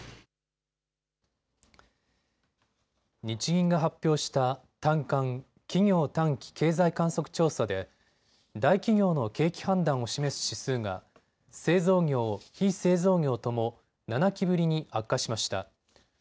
日銀が発表した短観・企業短期経済観測調査で大企業の景気判断を示す指数が製造業、非製造業とも７期ぶりに悪化しました。